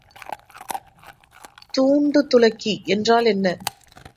தூண்டுதுலக்கி என்றால் என்ன?